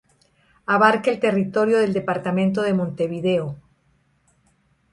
Abarca el territorio del departamento de Montevideo.